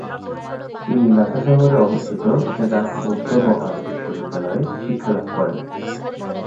তিনি লাসা শহরে অবস্থিত সে-রা বৌদ্ধবহার বিশ্ববিদ্যালয়ে শিক্ষালাভ করেন।